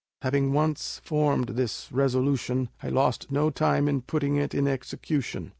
Having once formed this resolution, I lost no time in putting it in execution.